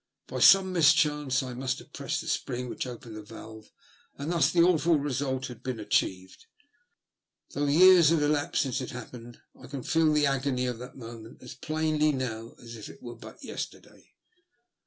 By some mis chance I must have pressed the spring which opened the valve, and thus the awful result had been achieved. Though years have elapsed since it happened, I can feel the agony of that moment as plainly now as if it was but yesterday.